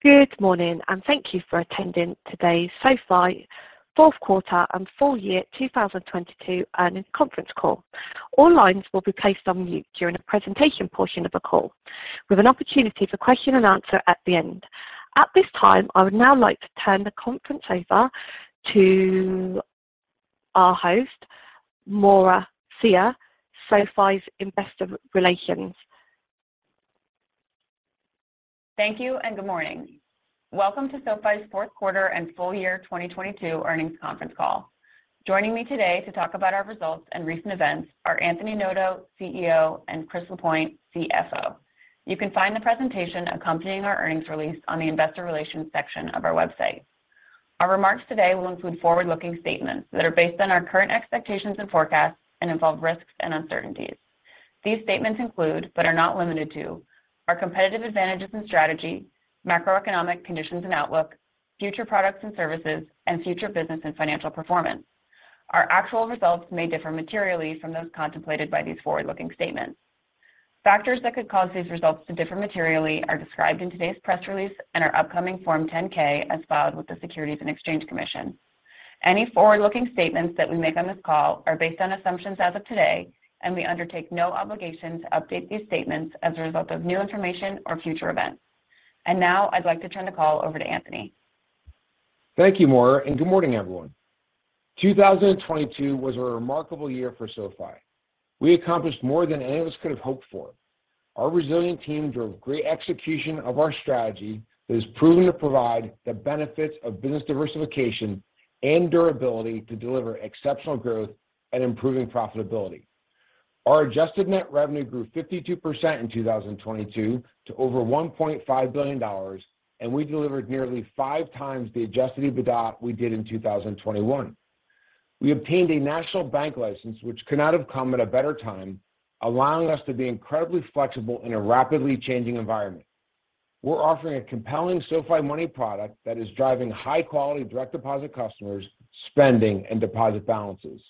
Good morning, thank you for attending today's SoFi fourth quarter and full year 2022 earnings conference call. All lines will be placed on mute during the presentation portion of the call with an opportunity for question and answer at the end. At this time, I would now like to turn the conference over to our host, Maura Cyr, SoFi's Investor Relations. Thank you and good morning. Welcome to SoFi's fourth quarter and full year 2022 earnings conference call. Joining me today to talk about our results and recent events are Anthony Noto, CEO, and Chris Lapointe, CFO. You can find the presentation accompanying our earnings release on the investor relations section of our website. Our remarks today will include forward-looking statements that are based on our current expectations and forecasts and involve risks and uncertainties. These statements include, but are not limited to, our competitive advantages and strategy, macroeconomic conditions and outlook, future products and services, and future business and financial performance. Our actual results may differ materially from those contemplated by these forward-looking statements. Factors that could cause these results to differ materially are described in today's press release and our upcoming Form 10-K as filed with the Securities and Exchange Commission. Any forward-looking statements that we make on this call are based on assumptions as of today. We undertake no obligation to update these statements as a result of new information or future events. Now I'd like to turn the call over to Anthony. Thank you, Maura, and good morning, everyone. 2022 was a remarkable year for SoFi. We accomplished more than any of us could have hoped for. Our resilient team drove great execution of our strategy that has proven to provide the benefits of business diversification and durability to deliver exceptional growth and improving profitability. Our adjusted net revenue grew 52% in 2022 to over $1.5 billion, and we delivered nearly 5 times the adjusted EBITDA we did in 2021. We obtained a national bank license which could not have come at a better time, allowing us to be incredibly flexible in a rapidly changing environment. We're offering a compelling SoFi Money product that is driving high-quality direct deposit customers spending and deposit balances.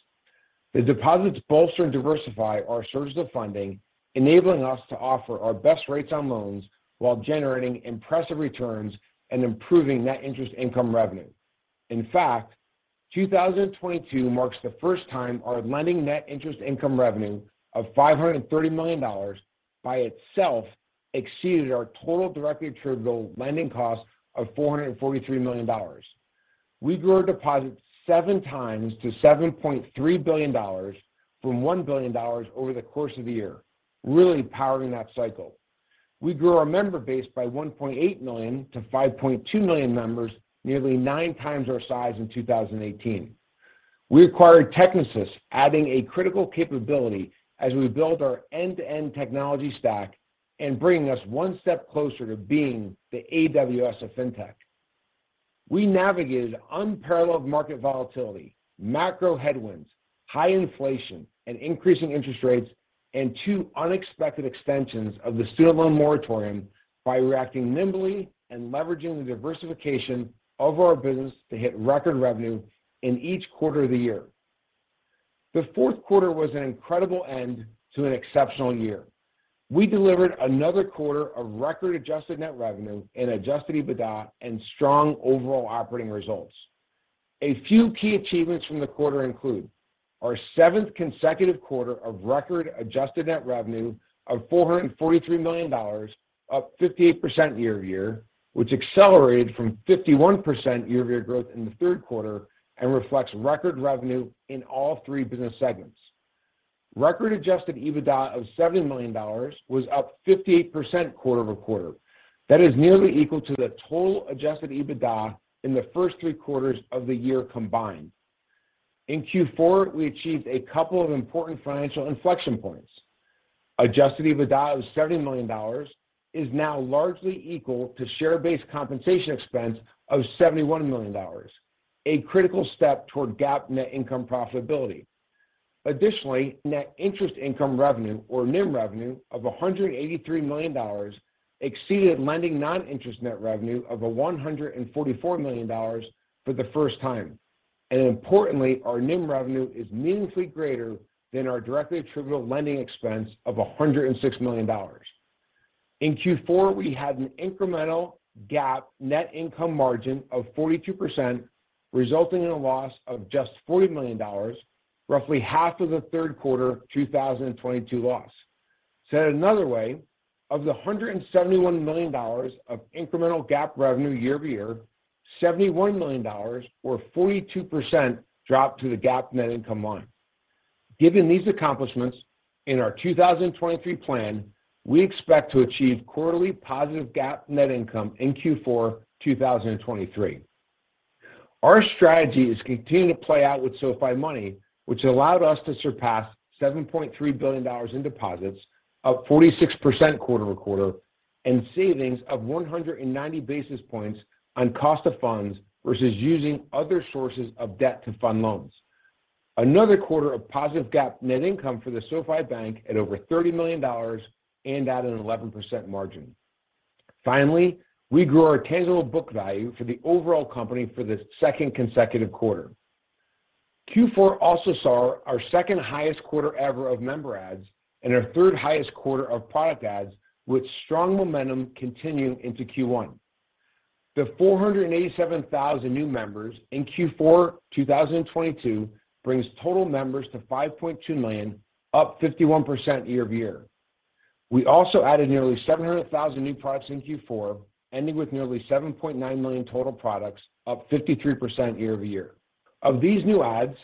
The deposits bolster and diversify our sources of funding, enabling us to offer our best rates on loans while generating impressive returns and improving net interest income revenue. In fact, 2022 marks the first time our lending net interest income revenue of $530 million by itself exceeded our total directly attributable lending cost of $443 million. We grew our deposits 7 times to $7.3 billion from $1 billion over the course of the year, really powering that cycle. We grew our member base by 1.8 million to 5.2 million members, nearly 9 times our size in 2018. We acquired Technisys, adding a critical capability as we build our end-to-end technology stack and bringing us one step closer to being the AWS of Fintech. We navigated unparalleled market volatility, macro headwinds, high inflation and increasing interest rates, 2 unexpected extensions of the student loan moratorium by reacting nimbly and leveraging the diversification of our business to hit record revenue in each quarter of the year. The fourth quarter was an incredible end to an exceptional year. We delivered another quarter of record adjusted net revenue and adjusted EBITDA and strong overall operating results. A few key achievements from the quarter include our seventh consecutive quarter of record adjusted net revenue of $443 million, up 58% year-over-year, which accelerated from 51% year-over-year growth in the third quarter and reflects record revenue in all 3 business segments. Record adjusted EBITDA of $70 million was up 58% quarter-over-quarter. That is nearly equal to the total adjusted EBITDA in the first three quarters of the year combined. In Q4, we achieved a couple of important financial inflection points. Adjusted EBITDA of $70 million is now largely equal to share-based compensation expense of $71 million, a critical step toward GAAP net income profitability. Additionally, net interest income revenue, or NIM revenue, of $183 million exceeded lending non-interest net revenue of $144 million for the first time. Importantly, our NIM revenue is meaningfully greater than our directly attributable lending expense of $106 million. In Q4, we had an incremental GAAP net income margin of 42%, resulting in a loss of just $40 million, roughly half of the third quarter 2022 loss. Said another way, of the $171 million of incremental GAAP revenue year-over-year, $71 million or 42% dropped to the GAAP net income line. Given these accomplishments, in our 2023 plan, we expect to achieve quarterly positive GAAP net income in Q4 2023. Our strategy is continuing to play out with SoFi Money, which allowed us to surpass $7.3 billion in deposits, up 46% quarter-over-quarter, and savings of 190 basis points on cost of funds versus using other sources of debt to fund loans. Another quarter of positive GAAP net income for the SoFi Bank at over $30 million and at an 11% margin. Finally, we grew our tangible book value for the overall company for the second consecutive quarter. Q4 also saw our second-highest quarter ever of member adds and our third-highest quarter of product adds, with strong momentum continuing into Q1. The 487,000 new members in Q4 2022 brings total members to 5.2 million, up 51% year-over-year. We also added nearly 700,000 new products in Q4, ending with nearly 7.9 million total products, up 53% year-over-year. Of these new adds,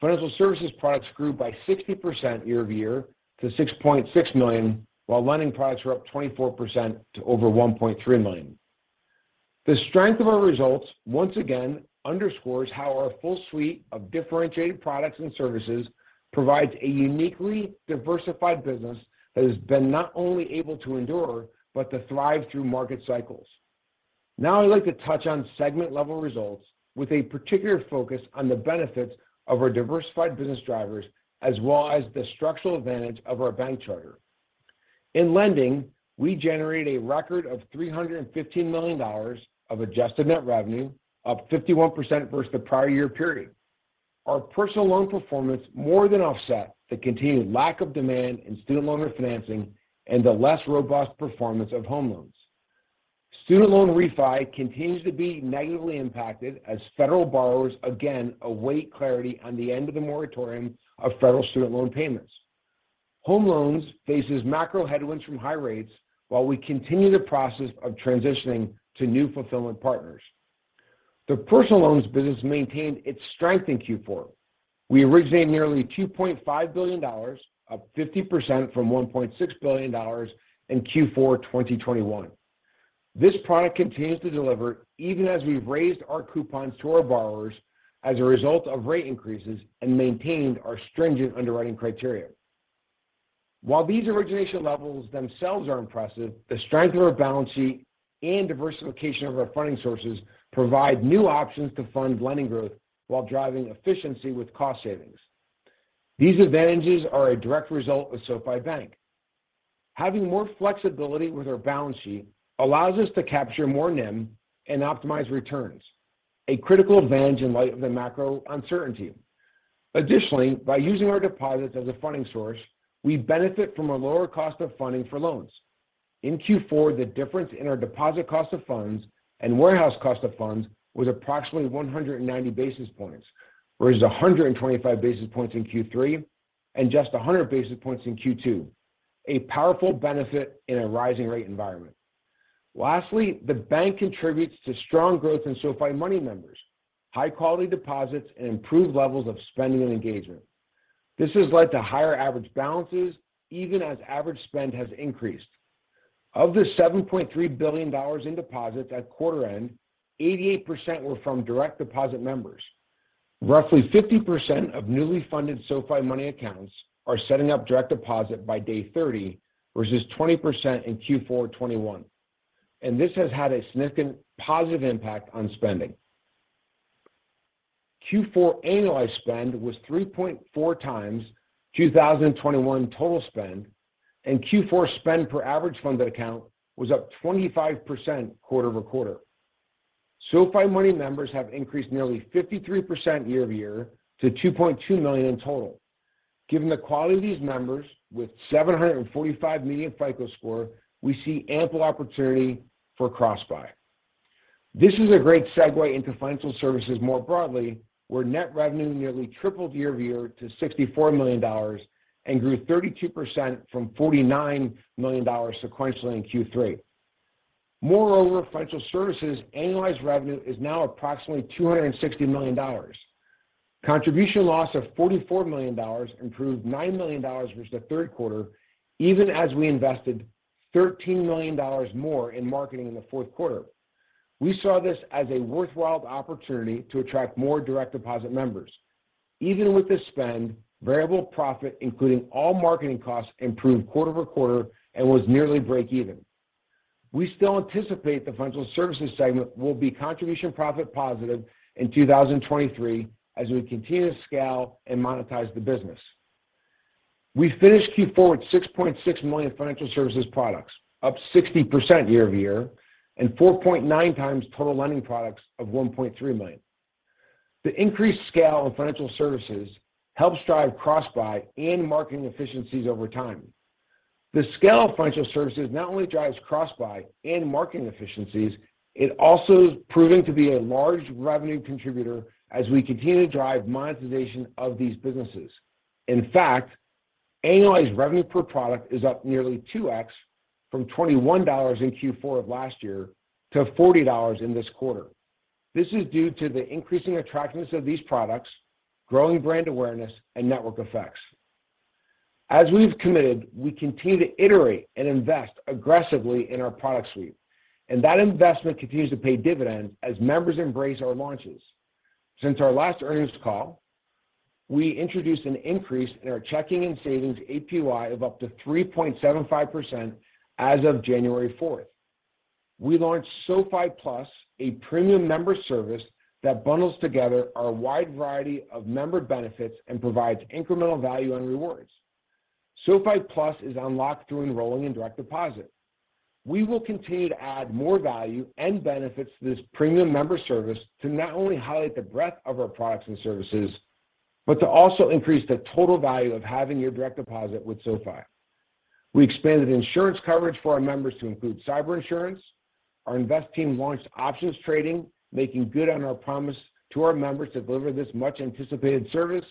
financial services products grew by 60% year-over-year to 6.6 million, while lending products were up 24% to over 1.3 million. The strength of our results once again underscores how our full suite of differentiated products and services provides a uniquely diversified business that has been not only able to endure but to thrive through market cycles. I'd like to touch on segment-level results with a particular focus on the benefits of our diversified business drivers as well as the structural advantage of our bank charter. In lending, we generated a record of $315 million of adjusted net revenue, up 51% versus the prior year period. Our personal loan performance more than offset the continued lack of demand in student loan refinancing and the less robust performance of home loans. Student loan refi continues to be negatively impacted as federal borrowers again await clarity on the end of the moratorium of federal student loan payments. Home loans faces macro headwinds from high rates while we continue the process of transitioning to new fulfillment partners. The personal loans business maintained its strength in Q4. We originated nearly $2.5 billion, up 50% from $1.6 billion in Q4 2021. This product continues to deliver even as we've raised our coupons to our borrowers as a result of rate increases and maintained our stringent underwriting criteria. While these origination levels themselves are impressive, the strength of our balance sheet and diversification of our funding sources provide new options to fund lending growth while driving efficiency with cost savings. These advantages are a direct result of SoFi Bank. Having more flexibility with our balance sheet allows us to capture more NIM and optimize returns, a critical advantage in light of the macro uncertainty. Additionally, by using our deposits as a funding source, we benefit from a lower cost of funding for loans. In Q4, the difference in our deposit cost of funds and warehouse cost of funds was approximately 190 basis points, whereas 125 basis points in Q3 and just 100 basis points in Q2, a powerful benefit in a rising rate environment. Lastly, the bank contributes to strong growth in SoFi Money members, high-quality deposits, and improved levels of spending and engagement. This has led to higher average balances even as average spend has increased. Of the $7.3 billion in deposits at quarter end, 88% were from direct deposit members. Roughly 50% of newly funded SoFi Money accounts are setting up direct deposit by day 30, versus 20% in Q4 2021. This has had a significant positive impact on spending. Q4 annualized spend was 3.4 times 2021 total spend, and Q4 spend per average funded account was up 25% quarter-over-quarter. SoFi Money members have increased nearly 53% year-over-year to 2.2 million in total. Given the quality of these members with 745 median FICO score, we see ample opportunity for cross-buy. This is a great segue into financial services more broadly, where net revenue nearly tripled year-over-year to $64 million and grew 32% from $49 million sequentially in Q3. Financial services annualized revenue is now approximately $260 million. Contribution loss of $44 million improved $9 million versus the third quarter, even as we invested $13 million more in marketing in the fourth quarter. We saw this as a worthwhile opportunity to attract more direct deposit members. Even with the spend, variable profit, including all marketing costs, improved quarter-over-quarter and was nearly break even. We still anticipate the financial services segment will be contribution profit positive in 2023 as we continue to scale and monetize the business. We finished Q4 with 6.6 million financial services products, up 60% year-over-year, and 4.9x total lending products of 1.3 million. The increased scale of financial services helps drive cross-buy and marketing efficiencies over time. The scale of financial services not only drives cross-buy and marketing efficiencies, it also is proving to be a large revenue contributor as we continue to drive monetization of these businesses. Annualized revenue per product is up nearly 2x from $21 in Q4 of last year to $40 in this quarter. This is due to the increasing attractiveness of these products, growing brand awareness, and network effects. As we've committed, we continue to iterate and invest aggressively in our product suite, that investment continues to pay dividends as members embrace our launches. Since our last earnings call, we introduced an increase in our checking and savings APY of up to 3.75% as of January fourth. We launched SoFi Plus, a premium member service that bundles together our wide variety of member benefits and provides incremental value and rewards. SoFi Plus is unlocked through enrolling in direct deposit. We will continue to add more value and benefits to this premium member service to not only highlight the breadth of our products and services, but to also increase the total value of having your direct deposit with SoFi. We expanded insurance coverage for our members to include cyber insurance. Our invest team launched options trading, making good on our promise to our members to deliver this much-anticipated service.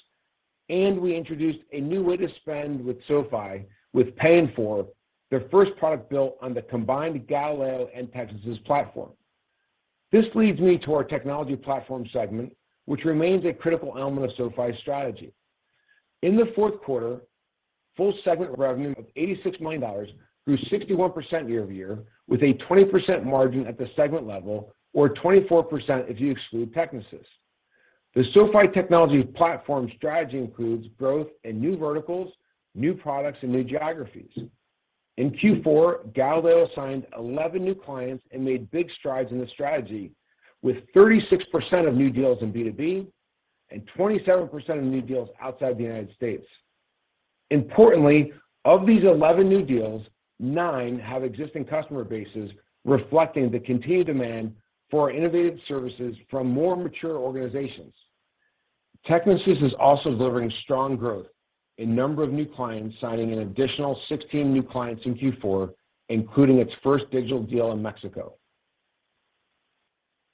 We introduced a new way to spend with SoFi with Pay in 4, their first product built on the combined Galileo and Technisys platform. This leads me to our technology platform segment, which remains a critical element of SoFi's strategy. In the fourth quarter, full segment revenue of $86 million grew 61% year-over-year, with a 20% margin at the segment level, or 24% if you exclude Technisys. The SoFi technology platform strategy includes growth in new verticals, new products, and new geographies. In Q4, Galileo signed 11 new clients and made big strides in the strategy with 36% of new deals in B2B and 27% of new deals outside the United States. Importantly, of these 11 new deals, 9 have existing customer bases reflecting the continued demand for innovative services from more mature organizations. Technisys is also delivering strong growth in number of new clients, signing an additional 16 new clients in Q4, including its first digital deal in Mexico.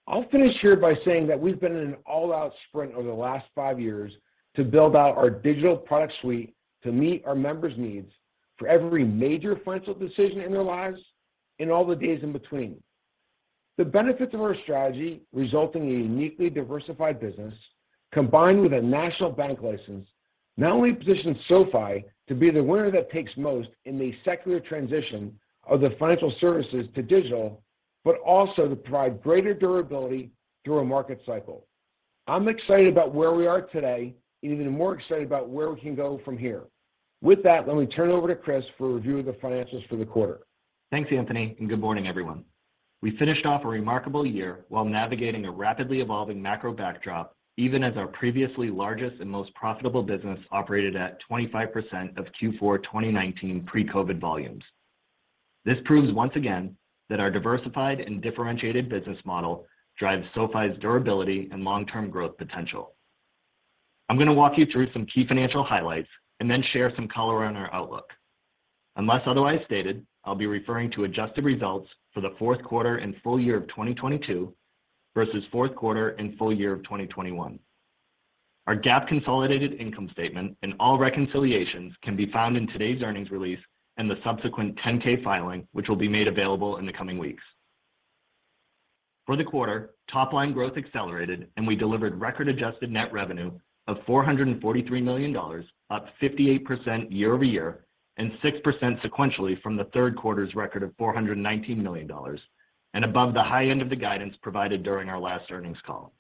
I'll finish here by saying that we've been in an all-out sprint over the last five years to build out our digital product suite to meet our members' needs for every major financial decision in their lives and all the days in between. The benefits of our strategy result in a uniquely diversified business combined with a national bank license not only positions SoFi to be the winner that takes most in the secular transition of the financial services to digital, but also to provide greater durability through a market cycle. I'm excited about where we are today and even more excited about where we can go from here. With that, let me turn it over to Chris for a review of the finances for the quarter. Thanks, Anthony, good morning, everyone. We finished off a remarkable year while navigating a rapidly evolving macro backdrop, even as our previously largest and most profitable business operated at 25% of Q4 2019 pre-COVID volumes. This proves once again that our diversified and differentiated business model drives SoFi's durability and long-term growth potential. I'm going to walk you through some key financial highlights and then share some color on our outlook. Unless otherwise stated, I'll be referring to adjusted results for the fourth quarter and full year of 2022 versus fourth quarter and full year of 2021. Our GAAP consolidated income statement and all reconciliations can be found in today's earnings release and the subsequent 10-K filing, which will be made available in the coming weeks. For the quarter, top-line growth accelerated. We delivered record adjusted net revenue of $443 million, up 58% year-over-year and 6% sequentially from the third quarter's record of $419 million and above the high end of the guidance provided during our last earnings call.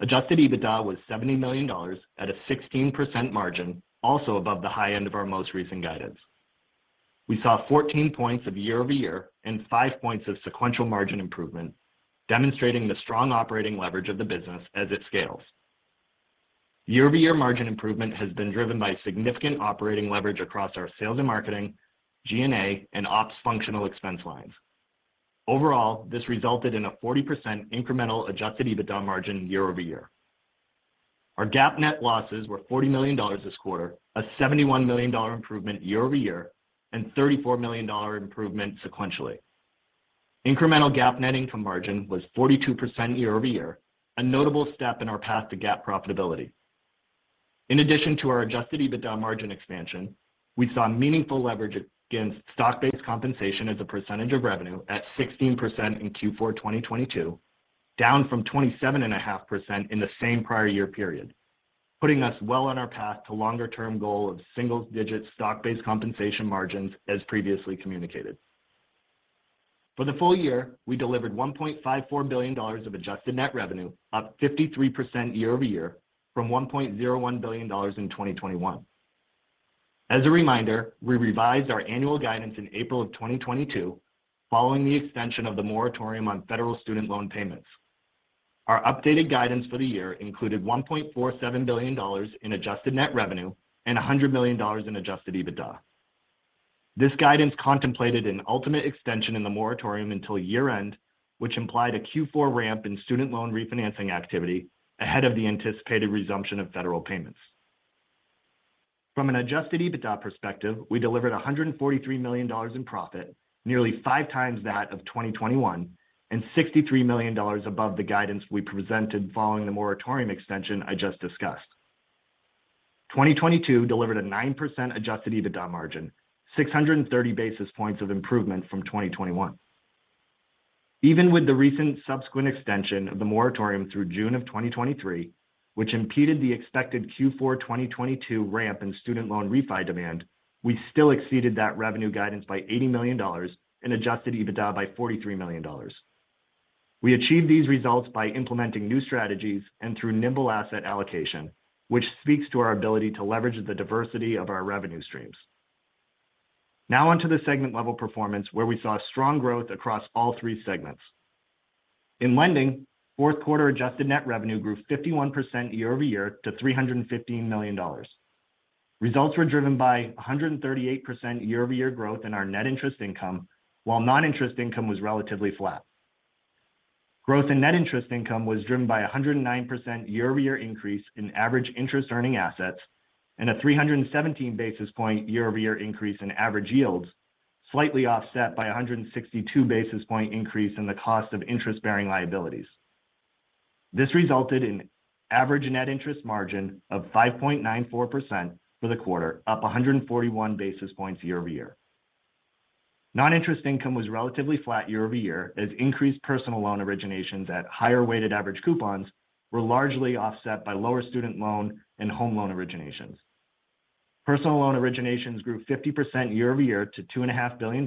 Adjusted EBITDA was $70 million at a 16% margin, also above the high end of our most recent guidance. We saw 14 points of year-over-year and 5 points of sequential margin improvement, demonstrating the strong operating leverage of the business as it scales. Year-over-year margin improvement has been driven by significant operating leverage across our sales and marketing, G&A, and ops functional expense lines. Overall, this resulted in a 40% incremental adjusted EBITDA margin year-over-year. Our GAAP net losses were $40 million this quarter, a $71 million improvement year-over-year and $34 million improvement sequentially. Incremental GAAP net income margin was 42% year-over-year, a notable step in our path to GAAP profitability. In addition to our adjusted EBITDA margin expansion, we saw meaningful leverage against stock-based compensation as a percentage of revenue at 16% in Q4 2022, down from 27.5% in the same prior year period, putting us well on our path to longer-term goal of single-digit stock-based compensation margins as previously communicated. For the full year, we delivered $1.54 billion of adjusted net revenue, up 53% year-over-year from $1.01 billion in 2021. As a reminder, we revised our annual guidance in April of 2022 following the extension of the moratorium on federal student loan payments. Our updated guidance for the year included $1.47 billion in adjusted net revenue and $100 million in adjusted EBITDA. This guidance contemplated an ultimate extension in the moratorium until year-end, which implied a Q4 ramp in student loan refinancing activity ahead of the anticipated resumption of federal payments. From an adjusted EBITDA perspective, we delivered $143 million in profit, nearly five times that of 2021, and $63 million above the guidance we presented following the moratorium extension I just discussed. 2022 delivered a 9% adjusted EBITDA margin, 630 basis points of improvement from 2021. Even with the recent subsequent extension of the moratorium through June 2023, which impeded the expected Q4 2022 ramp in student loan refi demand, we still exceeded that revenue guidance by $80 million and adjusted EBITDA by $43 million. We achieved these results by implementing new strategies and through nimble asset allocation, which speaks to our ability to leverage the diversity of our revenue streams. On to the segment level performance, where we saw strong growth across all three segments. In lending, fourth quarter adjusted net revenue grew 51% year-over-year to $315 million. Results were driven by 138 year-over-year growth in our net interest income, while non-interest income was relatively flat. Growth in net interest income was driven by a 109% year-over-year increase in average interest earning assets and a 317 basis point year-over-year increase in average yields, slightly offset by a 162 basis point increase in the cost of interest-bearing liabilities. This resulted in average net interest margin of 5.94% for the quarter, up 141 basis points year-over-year. Non-interest income was relatively flat year-over-year as increased personal loan originations at higher weighted average coupons were largely offset by lower student loan and home loan originations. Personal loan originations grew 50% year-over-year to $2.5 billion,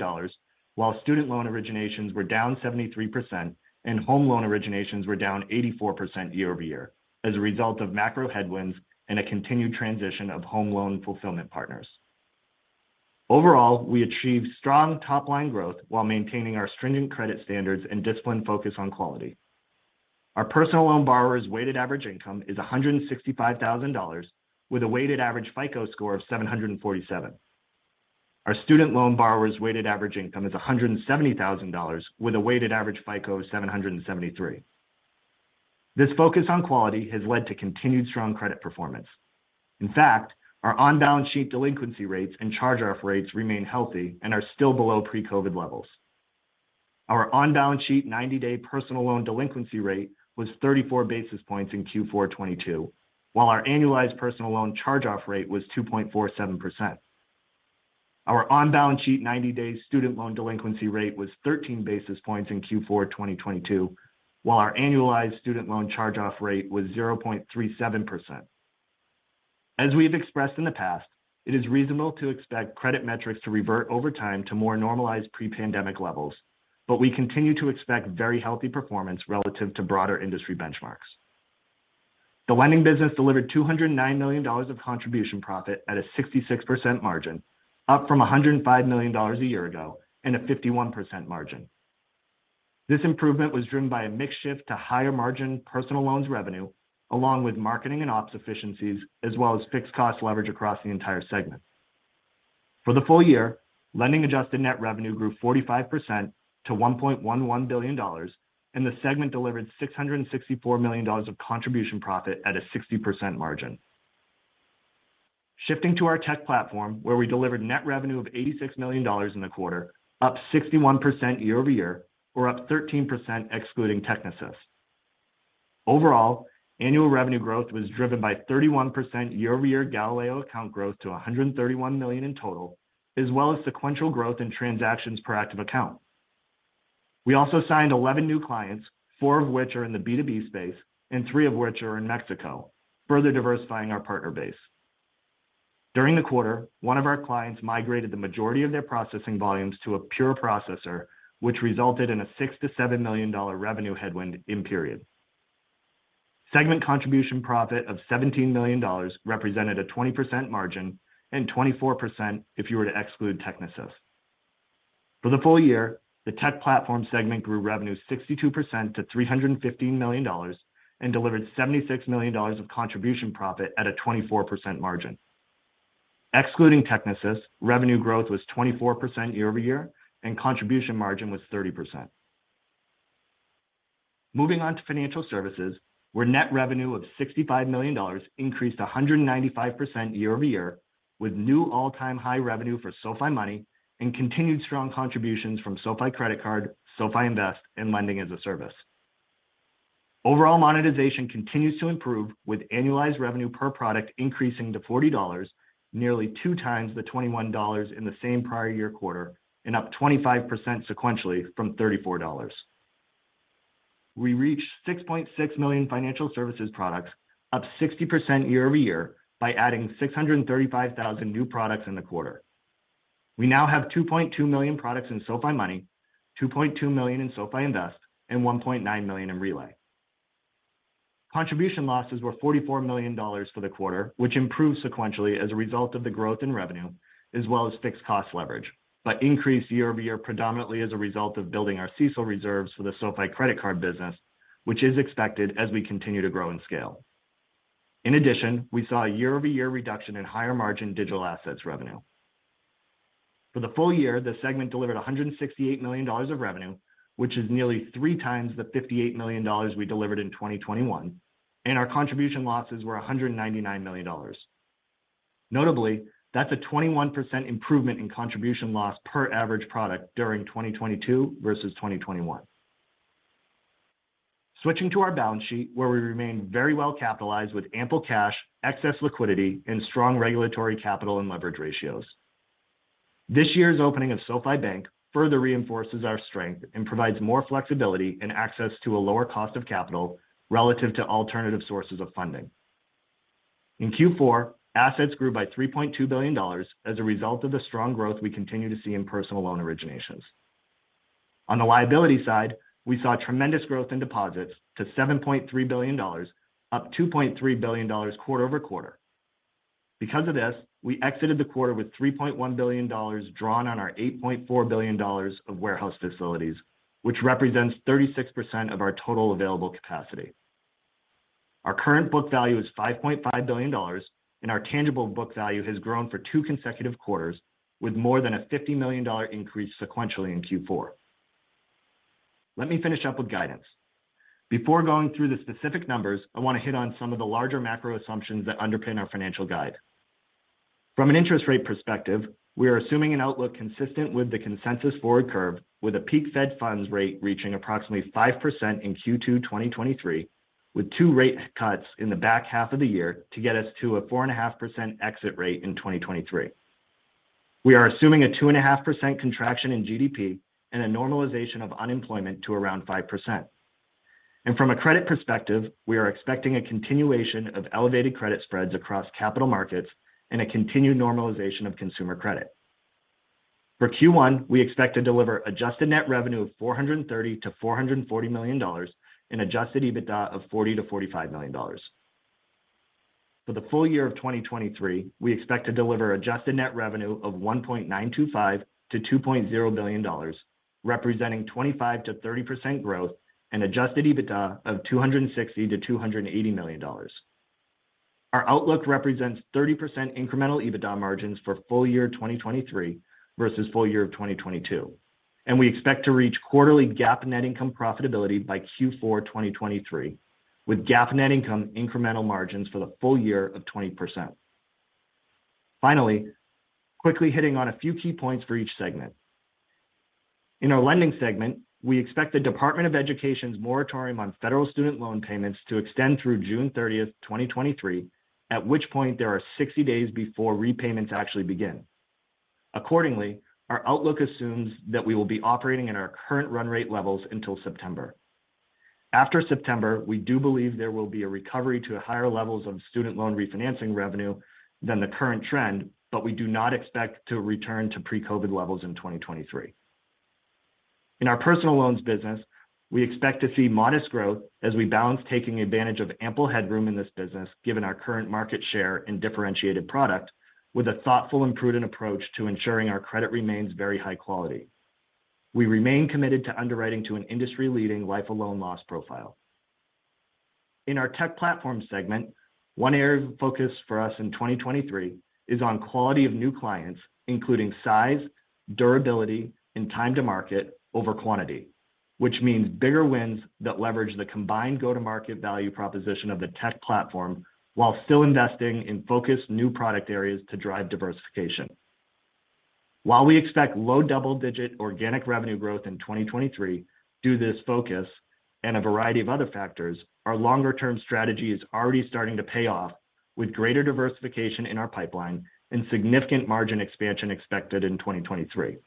while student loan originations were down 73% and home loan originations were down 84% year-over-year as a result of macro headwinds and a continued transition of home loan fulfillment partners. Overall, we achieved strong top-line growth while maintaining our stringent credit standards and disciplined focus on quality. Our personal loan borrowers' weighted average income is $165,000 with a weighted average FICO score of 747. Our student loan borrowers' weighted average income is $170,000 with a weighted average FICO of 773. This focus on quality has led to continued strong credit performance. In fact, our on-balance sheet delinquency rates and charge-off rates remain healthy and are still below pre-COVID levels. Our on-balance sheet 90-day personal loan delinquency rate was 34 basis points in Q4 2022, while our annualized personal loan charge-off rate was 2.47%. Our on-balance sheet 90-day student loan delinquency rate was 13 basis points in Q4 2022, while our annualized student loan charge-off rate was 0.37%. As we have expressed in the past, it is reasonable to expect credit metrics to revert over time to more normalized pre-pandemic levels, but we continue to expect very healthy performance relative to broader industry benchmarks. The lending business delivered $209 million of contribution profit at a 66% margin, up from $105 million a year ago and a 51% margin. This improvement was driven by a mix shift to higher margin personal loans revenue along with marketing and ops efficiencies as well as fixed cost leverage across the entire segment. For the full year, lending adjusted net revenue grew 45% to $1.11 billion, and the segment delivered $664 million of contribution profit at a 60% margin. Shifting to our tech platform, where we delivered net revenue of $86 million in the quarter, up 61% year-over-year, or up 13% excluding Technisys. Overall, annual revenue growth was driven by 31% year-over-year Galileo account growth to 131 million in total, as well as sequential growth in transactions per active account. We also signed 11 new clients, 4 of which are in the B2B space and 3 of which are in Mexico, further diversifying our partner base. During the quarter, one of our clients migrated the majority of their processing volumes to a pure processor, which resulted in a $6 million-$7 million revenue headwind in period. Segment contribution profit of $17 million represented a 20% margin and 24% if you were to exclude Technisys. For the full year, the tech platform segment grew revenue 62% to $315 million and delivered $76 million of contribution profit at a 24% margin. Excluding Technisys, revenue growth was 24% year-over-year, and contribution margin was 30%. Moving on to financial services, where net revenue of $65 million increased 195% year-over-year with new all-time high revenue for SoFi Money and continued strong contributions from SoFi Credit Card, SoFi Invest, and Lending-as-a-Service. Overall monetization continues to improve with annualized revenue per product increasing to $40, nearly 2 times the $21 in the same prior year quarter, and up 25% sequentially from $34. We reached 6.6 million financial services products, up 60% year-over-year by adding 635,000 new products in the quarter. We now have 2.2 million products in SoFi Money, 2.2 million in SoFi Invest, and 1.9 million in Relay. Contribution losses were $44 million for the quarter, which improved sequentially as a result of the growth in revenue as well as fixed cost leverage, but increased year-over-year predominantly as a result of building our CECL reserves for the SoFi Credit Card business, which is expected as we continue to grow and scale. In addition, we saw a year-over-year reduction in higher margin digital assets revenue. For the full year, the segment delivered $168 million of revenue, which is nearly 3 times the $58 million we delivered in 2021, and our contribution losses were $199 million. Notably, that's a 21% improvement in contribution loss per average product during 2022 versus 2021. Switching to our balance sheet, where we remain very well capitalized with ample cash, excess liquidity, and strong regulatory capital and leverage ratios. This year's opening of SoFi Bank further reinforces our strength and provides more flexibility and access to a lower cost of capital relative to alternative sources of funding. In Q4, assets grew by $3.2 billion as a result of the strong growth we continue to see in personal loan originations. On the liability side, we saw tremendous growth in deposits to $7.3 billion, up $2.3 billion quarter-over-quarter. Because of this, we exited the quarter with $3.1 billion drawn on our $8.4 billion of warehouse facilities, which represents 36% of our total available capacity. Our current book value is $5.5 billion, and our tangible book value has grown for two consecutive quarters with more than a $50 million increase sequentially in Q4. Let me finish up with guidance. Before going through the specific numbers, I want to hit on some of the larger macro assumptions that underpin our financial guide. From an interest rate perspective, we are assuming an outlook consistent with the consensus forward curve, with a peak Fed funds rate reaching approximately 5% in Q2 2023, with 2 rate cuts in the back half of the year to get us to a 4.5% exit rate in 2023. We are assuming a 2.5% contraction in GDP and a normalization of unemployment to around 5%. From a credit perspective, we are expecting a continuation of elevated credit spreads across capital markets and a continued normalization of consumer credit. For Q1, we expect to deliver adjusted net revenue of $430 million-$440 million and adjusted EBITDA of $40 million-$45 million. For the full year 2023, we expect to deliver adjusted net revenue of $1.925 billion-$2.0 billion, representing 25%-30% growth and adjusted EBITDA of $260 million-$280 million. Our outlook represents 30% incremental EBITDA margins for full year 2023 versus full year 2022, and we expect to reach quarterly GAAP net income profitability by Q4 2023, with GAAP net income incremental margins for the full year of 20%. Finally, quickly hitting on a few key points for each segment. In our lending segment, we expect the Department of Education's moratorium on federal student loan payments to extend through June 30, 2023, at which point there are 60 days before repayments actually begin. Accordingly, our outlook assumes that we will be operating in our current run rate levels until September. After September, we do believe there will be a recovery to higher levels of student loan refinancing revenue than the current trend, but we do not expect to return to pre-COVID levels in 2023. In our personal loans business, we expect to see modest growth as we balance taking advantage of ample headroom in this business, given our current market share and differentiated product, with a thoughtful and prudent approach to ensuring our credit remains very high quality. We remain committed to underwriting to an industry-leading life of loan loss profile. In our Tech Platform segment, one area of focus for us in 2023 is on quality of new clients, including size, durability, and time to market over quantity. Which means bigger wins that leverage the combined go-to-market value proposition of the Tech Platform while still investing in focused new product areas to drive diversification. While we expect low double-digit organic revenue growth in 2023 due this focus and a variety of other factors, our longer-term strategy is already starting to pay off with greater diversification in our pipeline and significant margin expansion expected in 2023.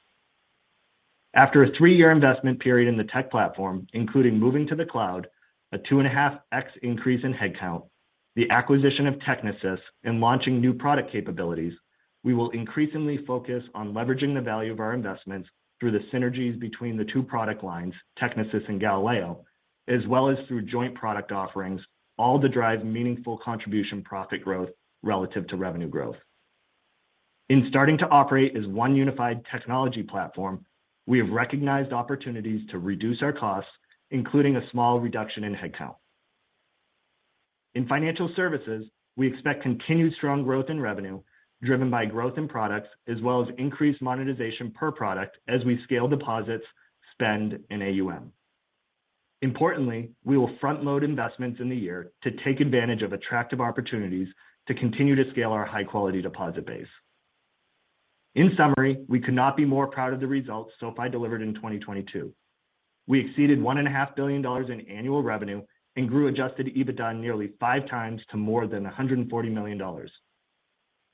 After a 3-year investment period in the tech platform, including moving to the cloud, a 2.5x increase in headcount, the acquisition of Technisys, and launching new product capabilities, we will increasingly focus on leveraging the value of our investments through the synergies between the two product lines, Technisys and Galileo, as well as through joint product offerings, all to drive meaningful contribution profit growth relative to revenue growth. In starting to operate as one unified technology platform, we have recognized opportunities to reduce our costs, including a small reduction in headcount. In financial services, we expect continued strong growth in revenue, driven by growth in products as well as increased monetization per product as we scale deposits, spend, and AUM. Importantly, we will front-load investments in the year to take advantage of attractive opportunities to continue to scale our high-quality deposit base. In summary, we could not be more proud of the results SoFi delivered in 2022. We exceeded one and a half billion dollars in annual revenue and grew adjusted EBITDA nearly five times to more than $140 million.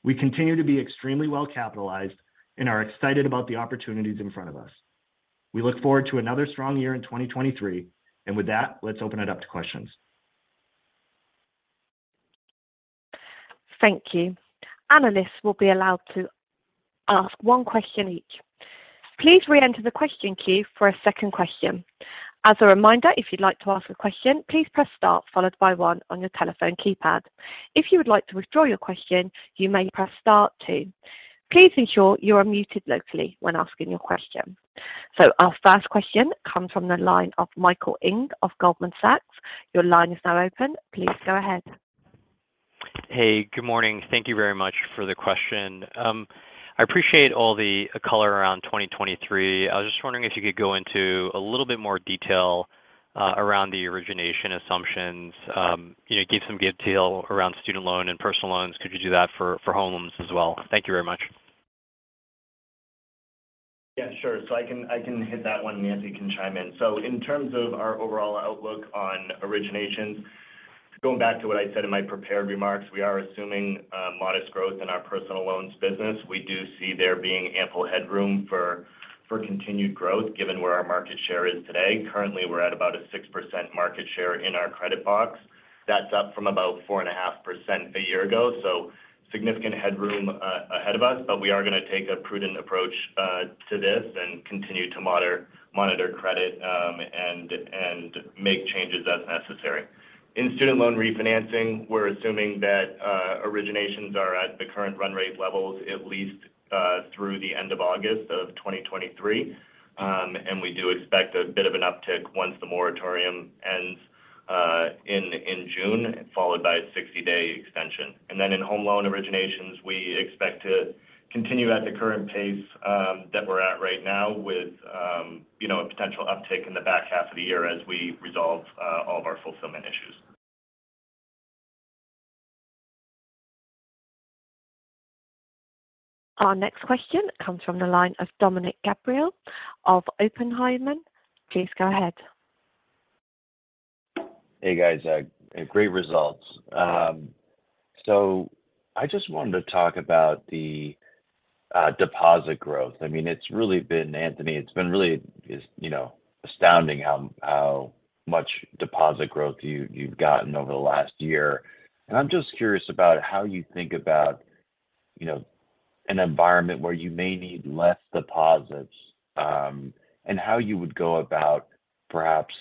We continue to be extremely well-capitalized and are excited about the opportunities in front of us. We look forward to another strong year in 2023. With that, let's open it up to questions. Thank you. Analysts will be allowed to ask one question each. Please re-enter the question queue for a second question. As a reminder, if you'd like to ask a question, please press star followed by one on your telephone keypad. If you would like to withdraw your question, you may press star two. Please ensure you are muted locally when asking your question. Our first question comes from the line of Michael Ng of Goldman Sachs. Your line is now open. Please go ahead. Hey, good morning. Thank Thank you very much for the question. I appreciate all the color around 2023. I was just wondering if you could go into a little bit more detail, around the origination assumptions, you know, give some detail around student loan and personal loans. Could you do that for homes as well? Thank you very much. Yeah, sure. I can hit that one. Nancy can chime in. In terms of our overall outlook on originations, going back to what I said in my prepared remarks, we are assuming modest growth in our personal loans business. We do see there being ample headroom for continued growth, given where our market share is today. Currently, we're at about a 6% market share in our credit box. That's up from about 4.5% a year ago, significant headroom ahead of us, but we are gonna take a prudent approach to this and continue to monitor credit and make changes as necessary. In Student Loan Refinance, we're assuming that originations are at the current run rate levels at least through the end of August of 2023. We do expect a bit of an uptick once the moratorium ends in June, followed by a 60-day extension. In home loan originations, we expect to continue at the current pace that we're at right now with, you know, a potential uptick in the back half of the year as we resolve all of our fulfillment issues. Our next question comes from the line of Dominick Gabriele of Oppenheimer. Please go ahead. Hey, guys. Great results. I just wanted to talk about the deposit growth. I mean, Anthony, it's been really just, you know, astounding how much deposit growth you've gotten over the last year. I'm just curious about how you think about, you know, an environment where you may need less deposits, and how you would go about perhaps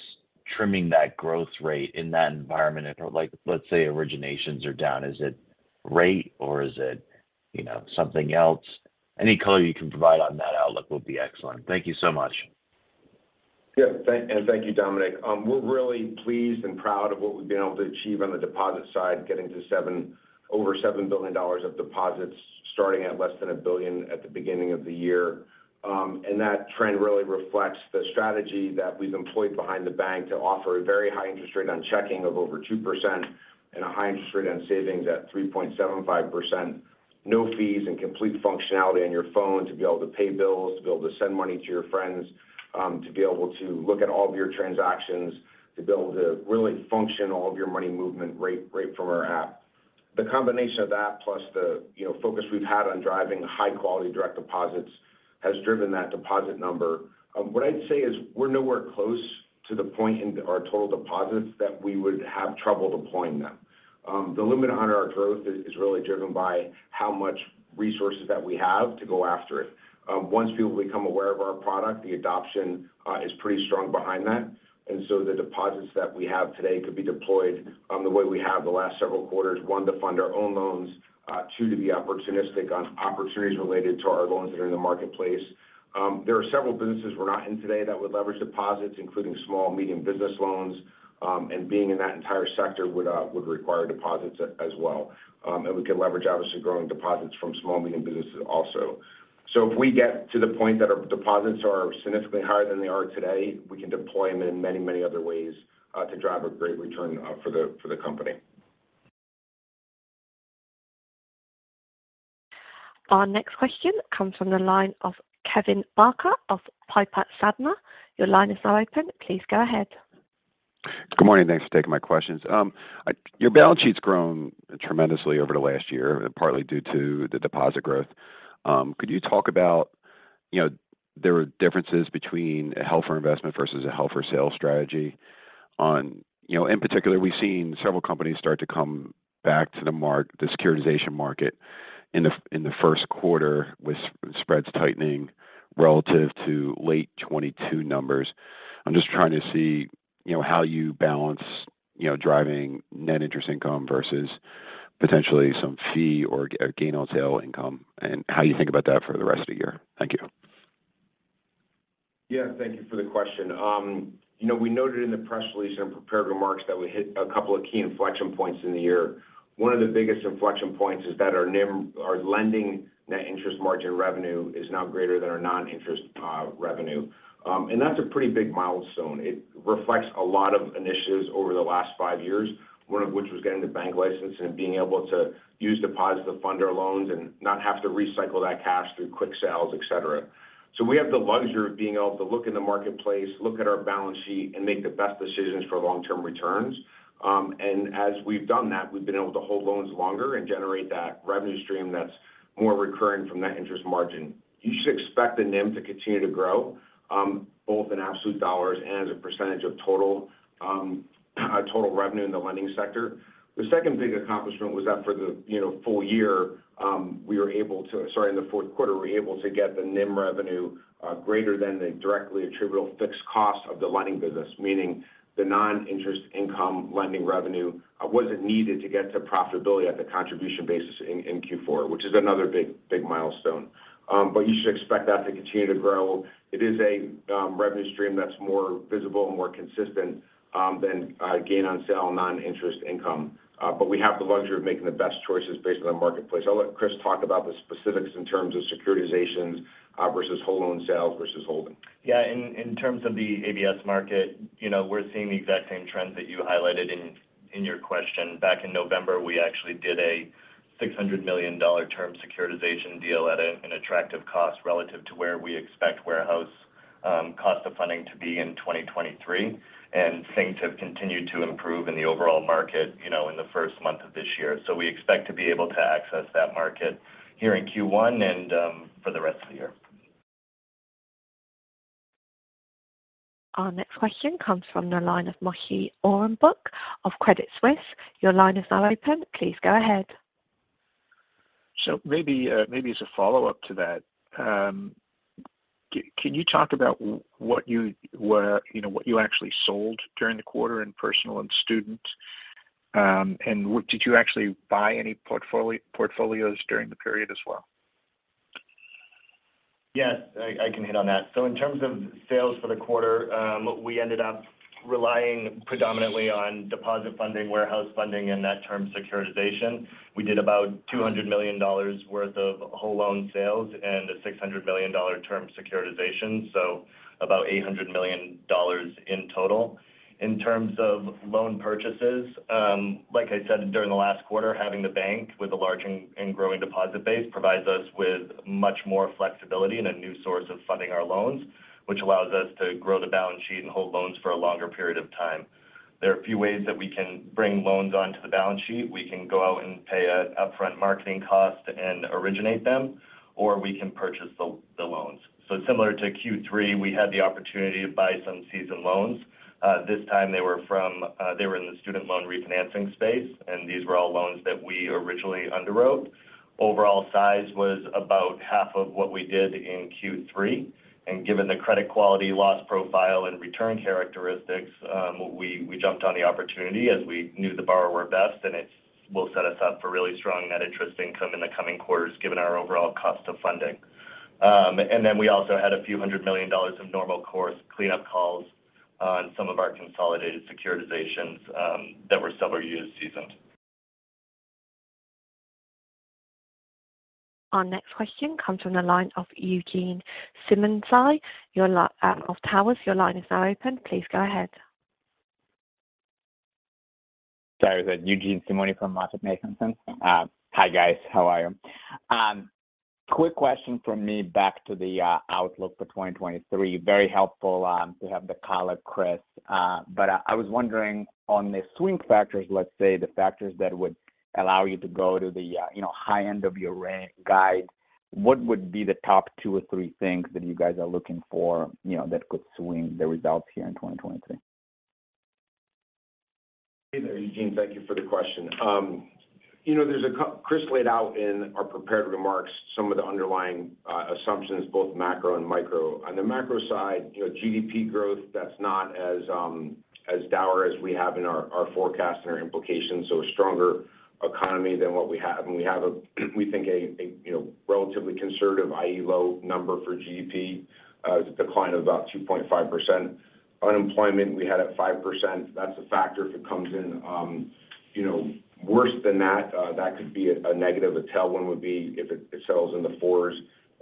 trimming that growth rate in that environment if it like, let's say, originations are down. Is it rate or is it, you know, something else? Any color you can provide on that outlook would be excellent. Thank you so much. Thank you, Dominic. We're really pleased and proud of what we've been able to achieve on the deposit side, getting to over $7 billion of deposits, starting at less than $1 billion at the beginning of the year. That trend really reflects the strategy that we've employed behind the bank to offer a very high interest rate on checking of over 2% and a high interest rate on savings at 3.75%. No fees and complete functionality on your phone to be able to pay bills, to be able to send money to your friends, to be able to look at all of your transactions, to be able to really function all of your money movement right from our app. The combination of that plus the, you know, focus we've had on driving high-quality direct deposits has driven that deposit number. What I'd say is we're nowhere close to the point in our total deposits that we would have trouble deploying them. The limit on our growth is really driven by how much resources that we have to go after it. Once people become aware of our product, the adoption is pretty strong behind that. The deposits that we have today could be deployed the way we have the last several quarters, 1, to fund our own loans, 2, to be opportunistic on opportunities related to our loans that are in the marketplace. There are several businesses we're not in today that would leverage deposits, including small, medium business loans, and being in that entire sector would require deposits as well. And we could leverage obviously growing deposits from small, medium businesses also. If we get to the point that our deposits are significantly higher than they are today, we can deploy them in many, many other ways to drive a great return for the company. Our next question comes from the line of Kevin Barker of Piper Sandler. Your line is now open. Please go ahead. Good morning. Thanks for taking my questions. Your balance sheet's grown tremendously over the last year, partly due to the deposit growth. Could you talk about, you know, there are differences between a held for investment versus a held for sale strategy on... You know, in particular, we've seen several companies start to come back to the securitization market in the first quarter with spreads tightening relative to late 2022 numbers. I'm just trying to see, you know, how you balance, you know, driving net interest income versus potentially some fee or gain on sale income and how you think about that for the rest of the year. Thank you. Thank you for the question. you know, we noted in the press release and prepared remarks that we hit a couple of key inflection points in the year. One of the biggest inflection points is that our NIM, our lending net interest margin revenue is now greater than our non-interest revenue. That's a pretty big milestone. It reflects a lot of initiatives over the last five years, one of which was getting the bank license and being able to use deposits to fund our loans and not have to recycle that cash through quick sales, et cetera. We have the luxury of being able to look in the marketplace, look at our balance sheet, and make the best decisions for long-term returns. As we've done that, we've been able to hold loans longer and generate that revenue stream that's more recurring from that interest margin. You should expect the NIM to continue to grow, both in absolute dollars and as a percentage of total revenue in the lending sector. The second big accomplishment was that for the, you know, full year, in the fourth quarter, we were able to get the NIM revenue greater than the directly attributable fixed cost of the lending business, meaning the non-interest income lending revenue wasn't needed to get to profitability at the contribution basis in Q4, which is another big, big milestone. You should expect that to continue to grow. It is a revenue stream that's more visible and more consistent than gain on sale non-interest income. We have the luxury of making the best choices based on the marketplace. I'll let Chris talk about the specifics in terms of securitizations, versus whole loan sales versus holding. Yeah. In terms of the ABS market, you know, we're seeing the exact same trends that you highlighted in your question. Back in November, we actually did a $600 million term securitization deal at an attractive cost relative to where we expect warehouse cost of funding to be in 2023. Things have continued to improve in the overall market, you know, in the first month of this year. We expect to be able to access that market here in Q1 and for the rest of the year. Our next question comes from the line of Moshe Orenbuch of Credit Suisse. Your line is now open. Please go ahead. Maybe, maybe as a follow-up to that, can you talk about you know, what you actually sold during the quarter in personal and student, and did you actually buy any portfolios during the period as well? Yes, I can hit on that. In terms of sales for the quarter, we ended up relying predominantly on deposit funding, warehouse funding, and that-term securitization. We did about $200 million worth of whole loan sales and a $600 million term securitization, so about $800 million in total. In terms of loan purchases, like I said during the last quarter, having the bank with a large and growing deposit base provides us with much more flexibility and a new source of funding our loans, which allows us to grow the balance sheet and hold loans for a longer period of time. There are a few ways that we can bring loans onto the balance sheet. We can go out and pay an upfront marketing cost and originate them, or we can purchase the loans. Similar to Q3, we had the opportunity to buy some seasoned loans. This time they were from, they were in the student loan refinancing space, and these were all loans that we originally underwrote. Overall size was about half of what we did in Q3. Given the credit quality, loss profile, and return characteristics, we jumped on the opportunity as we knew the borrower best, and it will set us up for really strong net interest income in the coming quarters given our overall cost of funding. We also had a few $100 million of normal course cleanup calls on some of our consolidated securitizations that were several years seasoned. Our next question comes from the line of Eugene Simuni. Your line of MoffettNathanson. Your line is now open. Please go ahead. Sorry, is it Eugene Simuni from Jefferies? Hi guys. How are you? Quick question from me back to the outlook for 2023. Very helpful to have the color, Chris. I was wondering on the swing factors, let's say the factors that would allow you to go to the, you know, high end of your range guide, what would be the top two or three things that you guys are looking for, you know, that could swing the results here in 2023? Hey there, Eugene. Thank you for the question. You know, Chris laid out in our prepared remarks some of the underlying assumptions, both macro and micro. On the macro side, you know, GDP growth, that's not as dour as we have in our forecast and our implications. A stronger economy than what we have. We have a, we think a, you know, relatively conservative, IE low number for GDP, with a decline of about 2.5%. Unemployment we had at 5%. That's a factor if it comes in, you know, worse than that could be a negative. A tailwind would be if it settles in the fours.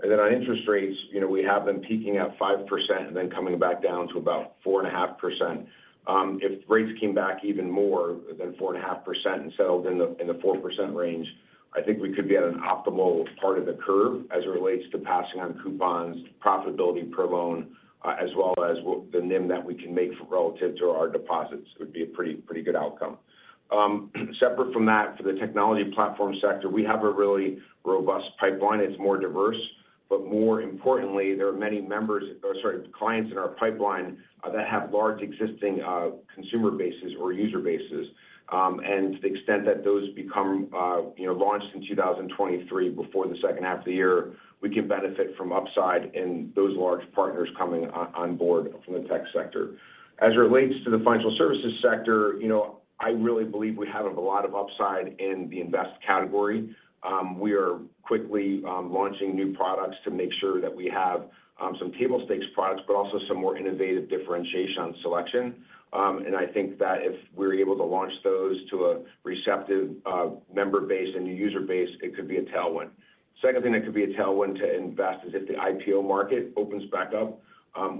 On interest rates, you know, we have them peaking at 5% and then coming back down to about 4.5%. If rates came back even more than 4.5% and settled in the 4% range, I think we could be at an optimal part of the curve as it relates to passing on coupons, profitability per loan, as well as the NIM that we can make relative to our deposits would be a pretty good outcome. Separate from that, for the technology platform sector, we have a really robust pipeline. It's more diverse, but more importantly, there are many members, or sorry, clients in our pipeline that have large existing consumer bases or user bases. To the extent that those become, you know, launched in 2023 before the second half of the year, we could benefit from upside in those large partners coming onboard from the tech sector. As it relates to the financial services sector, you know, I really believe we have a lot of upside in the invest category. We are quickly launching new products to make sure that we have some table stakes products, but also some more innovative differentiation on selection. I think that if we're able to launch those to a receptive member base and new user base, it could be a tailwind. Second thing that could be a tailwind to invest is if the IPO market opens back up.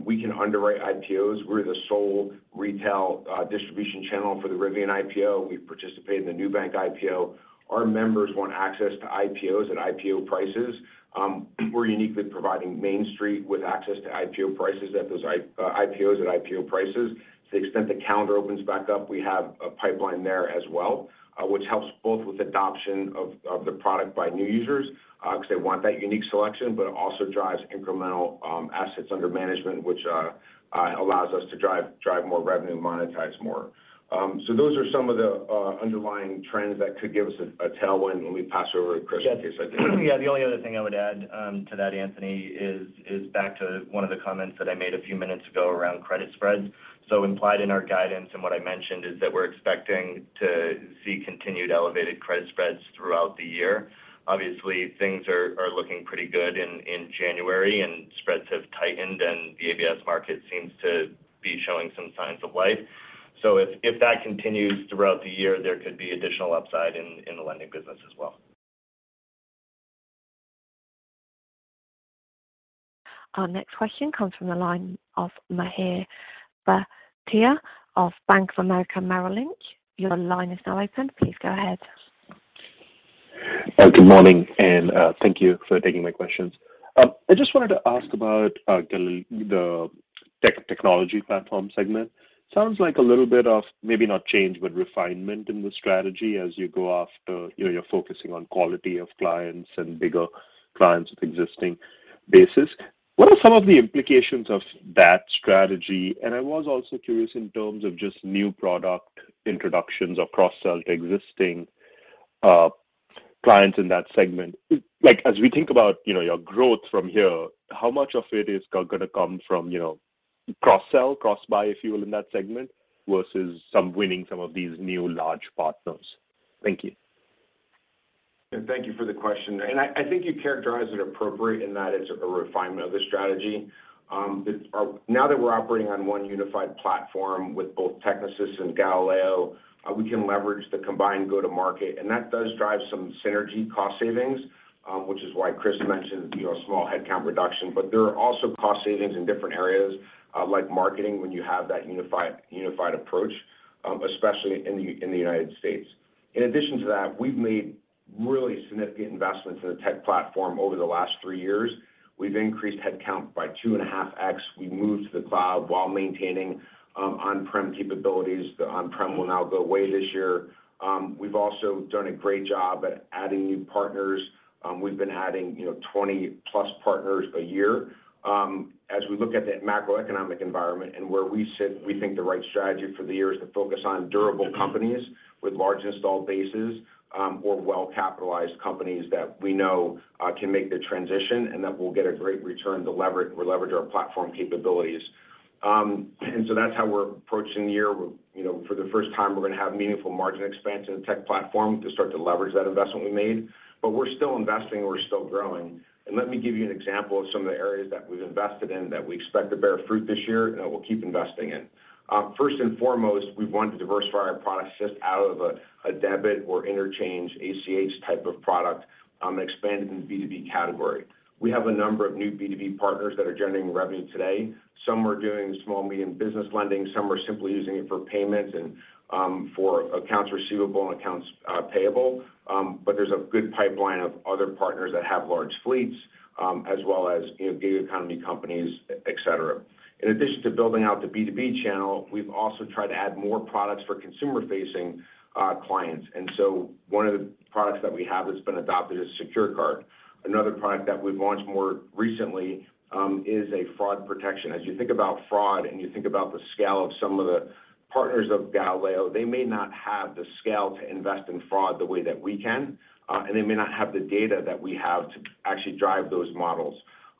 We can underwrite IPOs. We're the sole retail distribution channel for the Rivian IPO. We participate in the Nubank IPO. Our members want access to IPOs at IPO prices. We're uniquely providing Main Street with access to IPO prices at those IPOs at IPO prices. To the extent the calendar opens back up, we have a pipeline there as well, which helps both with adoption of the product by new users, because they want that unique selection, but it also drives incremental assets under management, which allows us to drive more revenue and monetize more. Those are some of the underlying trends that could give us a tailwind when we pass it over to Chris in case. Yeah. The only other thing I would add to that, Anthony, is back to one of the comments that I made a few minutes ago around credit spreads. Implied in our guidance and what I mentioned is that we're expecting to see continued elevated credit spreads throughout the year. Obviously, things are looking pretty good in January, and spreads have tightened and the ABS market seems to be showing some signs of life. If that continues throughout the year, there could be additional upside in the lending business as well. Our next question comes from the line of Mihir Bhatia of Bank of America Merrill Lynch. Your line is now open. Please go ahead. Good morning, and thank you for taking my questions. I just wanted to ask about the technology platform segment. Sounds like a little bit of maybe not change, but refinement in the strategy as you go after, you know, you're focusing on quality of clients and bigger-clients with existing bases. What are some of the implications of that strategy? I was also curious in terms of just new product introductions or cross-sell to existing clients in that segment. Like, as we think about, you know, your growth from here, how much of it is gonna come from, you know, cross-sell, cross-buy, if you will, in that segment versus some winning some of these new large partners? Thank you. Thank you for the question. I think you characterized it appropriate in that it's a refinement of the strategy. or now that we're operating on one unified platform with both Technisys and Galileo, we can leverage the combined go-to-market, and that does drive some synergy cost savings, which is why Chris mentioned the, you know, small headcount reduction. There are also cost savings in different areas, like marketing when you have that unified approach, especially in the United States. In addition to that, we've made really significant investments in the tech platform over the last three years. We've increased headcount by 2.5x. We moved to the cloud while maintaining on-prem capabilities. The on-prem will now go away this year. We've also done a great job at adding new partners. We've been adding, you know, 20-plus partners a year. As we look at the macroeconomic environment and where we sit, we think the right strategy for the year is to focus on durable companies with large installed bases, or well-capitalized companies that we know can make the transition and that will get a great return to leverage our platform capabilities. That's how we're approaching the year. You know, for the first time, we're gonna have meaningful margin expansion in the tech platform to start to leverage that investment we made. We're still investing and we're still growing. Let me give you an example of some of the areas that we've invested in that we expect to bear fruit this year and that we'll keep investing in. First and foremost, we want to diversify our product set out of a debit or interchange ACH type of product and expand it in the B2B category. We have a number of new B2B partners that are generating revenue today. Some are doing small, medium business lending. Some are simply using it for payments and for accounts receivable and accounts payable. There's a good pipeline of other partners that have large fleets, as well as, you know, gig economy companies, et cetera. In addition to building out the B2B channel, we've also tried to add more products for consumer-facing clients. One of the products that we have that's been adopted is Secured Card. Another product that we've launched more recently is a fraud protection. As you think about fraud and you think about the scale of some of the partners of Galileo, they may not have the scale to invest in fraud the way that we can, and they may not have the data that we have to actually drive those models.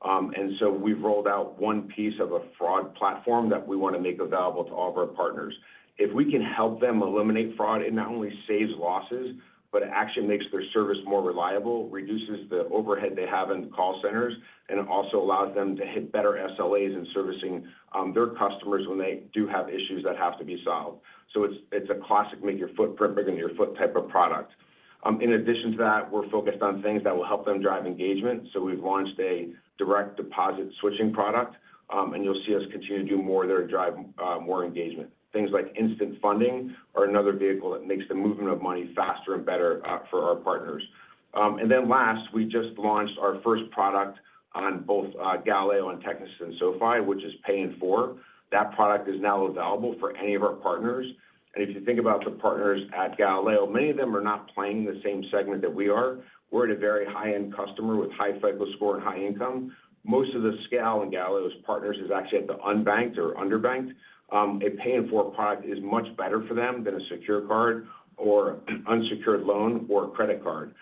We've rolled out one piece of a fraud platform that we want to make available to all of our partners. If we can help them eliminate fraud, it not only saves losses, but it actually makes their service more reliable, reduces the overhead they have in call centers, and it also allows them to hit better SLAs in servicing their customers when they do have issues that have to be solved. It's a classic make your footprint bigger than your foot type of product. In addition to that, we're focused on things that will help them drive engagement. We've launched a direct deposit switching product, and you'll see us continue to do more there and drive more engagement. Things like instant funding are another vehicle that makes the movement of money faster and better for our partners. Last, we just launched our first product on both Galileo and Technisys and SoFi, which is Pay in 4. That product is now available for any of our partners. If you think about the partners at Galileo, many of them are not playing the same segment that we are. We're at a very high-end customer with high FICO score and high income. Most of the scale in Galileo's partners is actually at the unbanked or underbanked. A Pay in 4 product is much better for them than a Secured Card or unsecured loan or a credit card.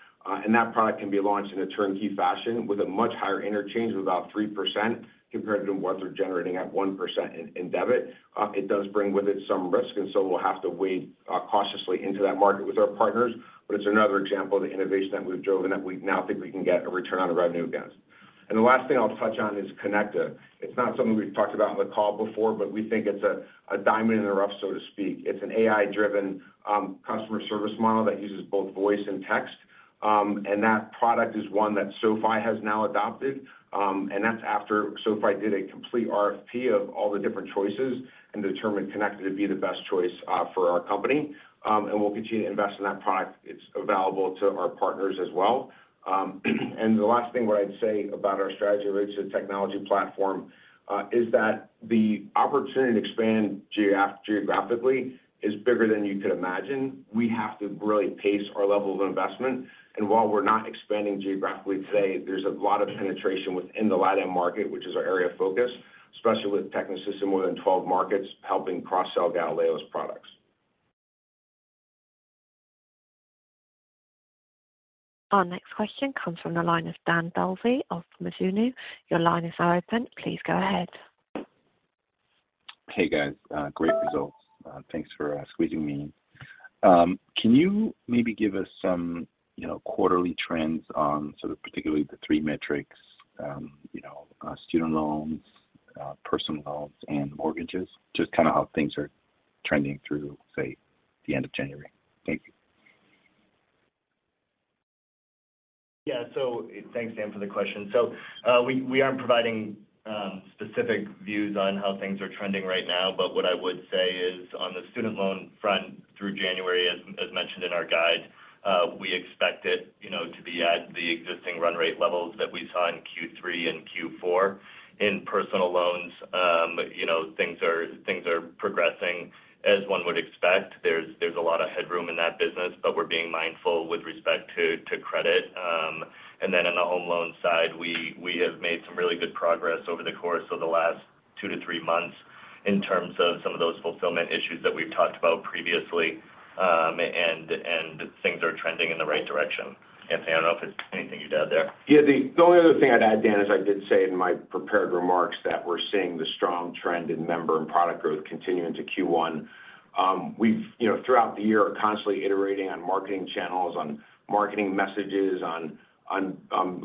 That product can be launched in a turnkey fashion with a much higher interchange of about 3% compared to what they're generating at 1% in debit. It does bring with it some risk, we'll have to wade cautiously into that market with our partners. It's another example of the innovation that we've driven that we now think we can get a return on the revenue against. The last thing I'll touch on is Connected. It's not something we've talked about on the call before, but we think it's a diamond in the rough, so to speak. It's an AI-driven customer service model that uses both voice and text. That product is one that SoFi has now adopted, and that's after SoFi did a complete RFP of all the different choices and determined Connected to be the best choice for our company. We'll continue to invest in that product. It's available to our partners as well. The last thing what I'd say about our strategy related to the technology platform is that the opportunity to expand geographically is bigger than you could imagine. We have to really pace our level of investment. While we're not expanding geographically today, there's a lot of penetration within the LatAm market, which is our area of focus, especially with Technisys in more than 12 markets helping cross-sell Galileo's products. Our next question comes from the line of Dan Dolev of Mizuho. Your line is now open. Please go ahead. Hey, guys, great results. Thanks for squeezing me in. Can you maybe give us some, you know, quarterly trends on sort of particularly the three metrics, you know, student loans, personal loans, and mortgages, just kinda how things are trending through, say, the end of January? Thank you. Yeah. Thanks, Dan, for the question. We aren't providing specific views on how things are trending right now. What I would say is on the student loan front through January, as mentioned in our guide, we expect it, you know, to be at the existing run rate levels that we saw in Q3 and Q4. In personal loans, you know, things are progressing as one would expect. There's a lot of headroom in that business, but we're being mindful with respect to credit. In the home loan side, we have made some really good progress over the course of the last 2-3 months in terms of some of those fulfillment issues that we've talked about previously, and things are trending in the right direction. Anthony, I don't know if there's anything you'd add there. Yeah. The only other thing I'd add, Dan, is I did say in my prepared remarks that we're seeing the strong trend in member and product growth continue into Q1. We've, you know, throughout the year are constantly iterating on marketing channels, on marketing messages, on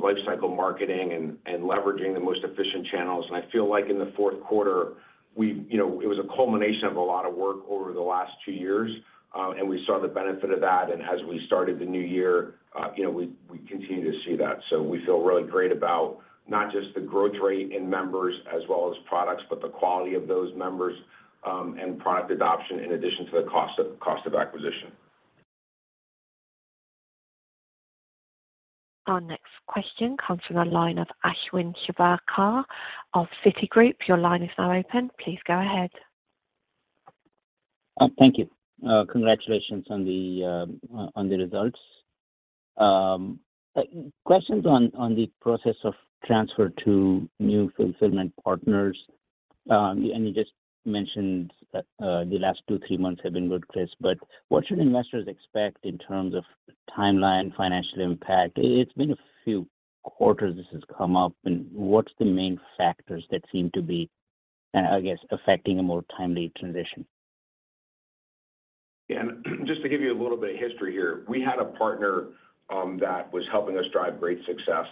life cycle marketing and leveraging the most efficient channels. I feel like in the fourth quarter, you know, it was a culmination of a lot of work over the last 2 years, and we saw the benefit of that. As we started the new year, you know, we continue to see that. We feel really great about not just the growth rate in members as well as products, but the quality of those members, and product adoption in addition to the cost of acquisition. Our next question comes from the line of Ashwin Shirvaikar of Citigroup. Your line is now open. Please go ahead. Thank you. Congratulations on the results. Questions on the process of transfer to new fulfillment partners. You just mentioned that the last two, three months have been good, Chris, but what should investors expect in terms of timeline, financial impact? It's been a few quarters this has come up, and what's the main factors that seem to be, I guess, affecting a more timely transition? Just to give you a little bit of history here. We had a partner that was helping us drive great success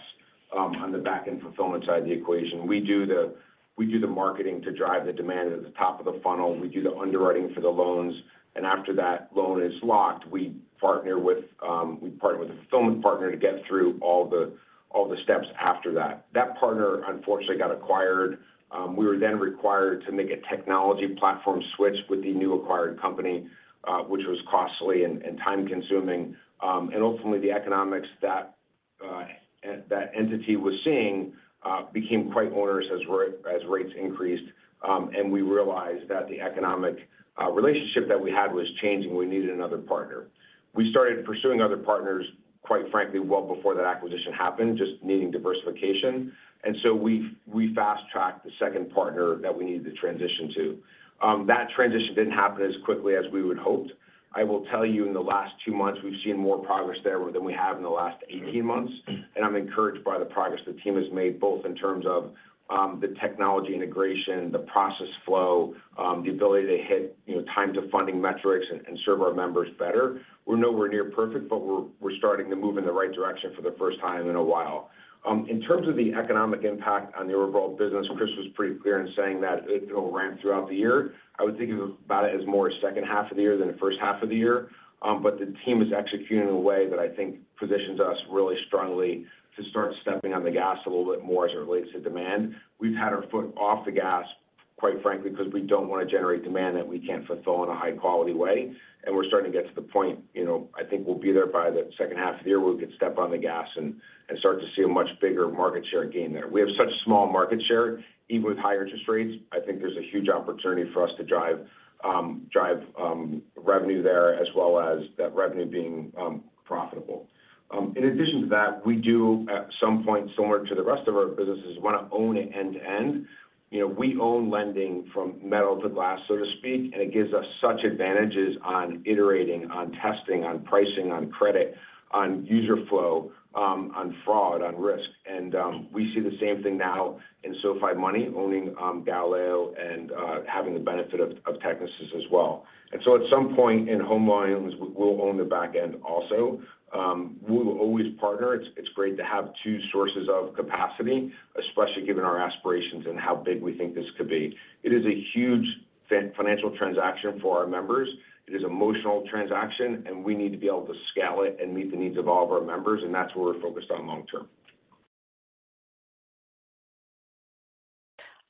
on the back-end fulfillment side of the equation. We do the marketing to drive the demand at the top of the funnel. We do the underwriting for the loans. After that loan is locked, we partner with a fulfillment partner to get through all the steps after that. That partner unfortunately got acquired. We were required to make a technology platform switch with the new acquired company, which was costly and time-consuming. Ultimately the economics that that entity was seeing became quite onerous as rates increased. We realized that the economic relationship that we had was changing. We needed another partner. We started pursuing other partners, quite frankly, well before that acquisition happened, just needing diversification. We fast-tracked the second partner that we needed to transition to. That transition didn't happen as quickly as we would hoped. I will tell you in the last 2 months we've seen more progress there than we have in the last 18 months, and I'm encouraged by the progress the team has made both in terms of the technology integration, the process flow, the ability to hit, you know, time to funding metrics and serve our members better. We're nowhere near perfect, but we're starting to move in the right direction for the first time in a while. In terms of the economic impact on the overall business, Chris was pretty clear in saying that it'll ramp throughout the year. I would think of about it as more second half of the year than the first half of the year. The team is executing in a way that I think positions us really strongly to start stepping on the gas a little bit more as it relates to demand. We've had our foot off the gas quite frankly because we don't want to generate demand that we can't fulfill in a high-quality way. We're starting to get to the point, you know, I think we'll be there by the second half of the year where we can step on the gas and start to see a much bigger market share gain there. We have such small market share. Even with higher interest rates, I think there's a huge opportunity for us to drive revenue there as well as that revenue being profitable. In addition to that, we do at some point similar to the rest of our businesses want to own it end-to-end. You know, we own lending from metal to glass, so to speak, and it gives us such advantages on iterating, on testing, on pricing, on credit, on user flow, on fraud, on risk. We see the same thing now in SoFi Money owning Galileo and having the benefit of Technisys as well. At some point in home loans, we'll own the back end also. We will always partner. It's great to have two sources of capacity, especially given our aspirations and how big we think this could be. It is a huge financial transaction for our members. It is emotional transaction, and we need to be able to scale it and meet the needs of all of our members, and that's where we're focused on long term.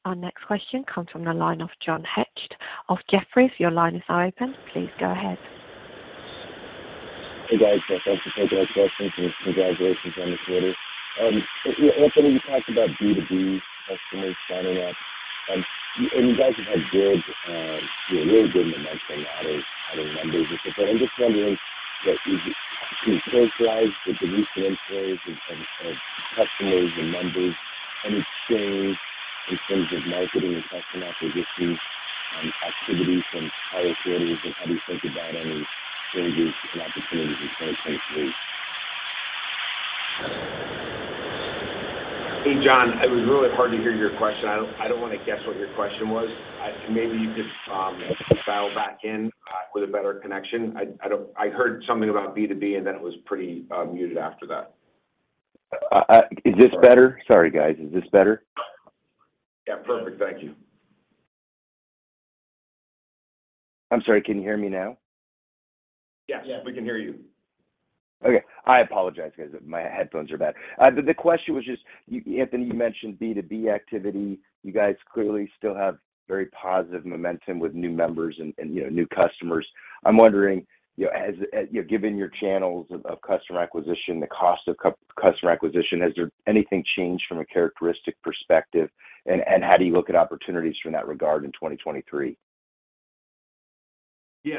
Our next question comes from the line of John Hecht of Jefferies. Your line is now open. Please go ahead. Hey, guys. Thanks for taking our questions and congratulations on the quarter. Anthony, you talked about B2B customers signing up, and you guys have had good, you know, really good momentum out of members and such. But I'm just wondering sales wise with the recent inflows of customers and members, has it changed in terms of marketing and customer acquisition, activity from prior quarters? And have you think about any changes and opportunities in 2023? Hey, John, it was really hard to hear your question. I don't want to guess what your question was. Maybe you could dial back in with a better connection. I heard something about B2B, and then it was pretty muted after that. Is this better? Sorry guys. Is this better? Yeah, perfect. Thank you. I'm sorry. Can you hear me now? Yes. We can hear you. Okay. I apologize, guys. My headphones are bad. The question was just, you, Anthony, you mentioned B2B activity. You guys clearly still have very positive momentum with new members and, you know, new customers. I'm wondering, you know, as, you know, given your channels of customer acquisition, the cost of customer acquisition, has there anything changed from a characteristic perspective? How do you look at opportunities from that regard in 2023? The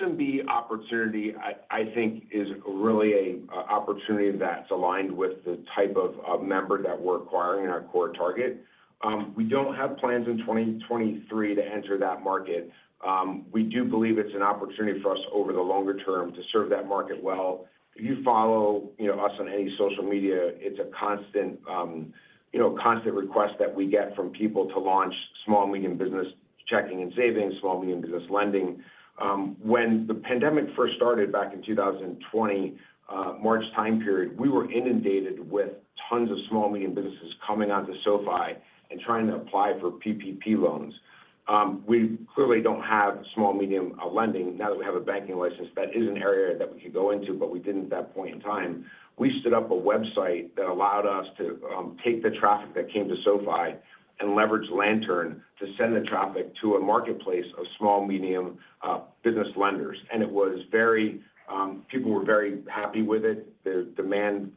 SMB opportunity I think is really a opportunity that's aligned with the type of member that we're acquiring in our core target. We don't have plans in 2023 to enter that market. We do believe it's an opportunity for us over the longer term to serve that market well. If you follow, you know, us on any social media, it's a constant, you know, constant request that we get from people to launch small medium business checking and savings, small medium business lending. When the pandemic first started back in 2020, March time period, we were inundated with tons of small medium businesses coming onto SoFi and trying to apply for PPP loans. We clearly don't have small medium lending. Now that we have a banking license, that is an area that we could go into, but we didn't at that point in time. We stood up a website that allowed us to take the traffic that came to SoFi and leverage Lantern to send the traffic to a marketplace of small medium business lenders. People were very happy with it. The demand